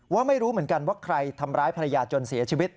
ว่าไม่รู้เหมือนกันว่าใครทำร้ายภรรยาจนเสียชีวิต